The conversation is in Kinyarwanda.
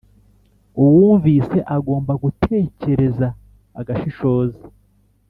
uwumvise agomba gutekereza agashishoza